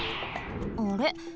あれ？